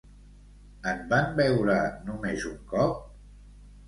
En van veure només un cop?